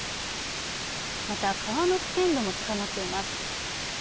また川の危険度も高まっています。